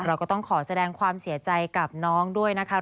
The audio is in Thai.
เราก็ต้องขอแสดงความเสียใจกับน้องด้วยนะคะ